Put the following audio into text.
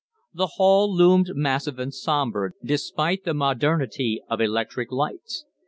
The hall loomed massive and sombre despite the modernity of electric lights.